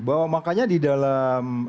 bahwa makanya di dalam